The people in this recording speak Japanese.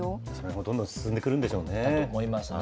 どんどん進んでくるんでしょと思いますね。